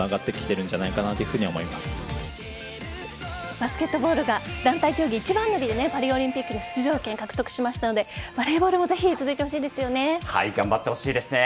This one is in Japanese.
バスケットボールが団体競技一番乗りでパリオリンピックの出場権獲得しましたのでバレーボールもぜひ続いてほしいですね。頑張ってほしいですね。